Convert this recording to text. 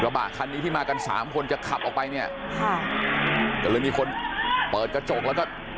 บะคันนี้ที่มากันสามคนจะขับออกไปเนี่ยค่ะก็เลยมีคนเปิดกระจกแล้วก็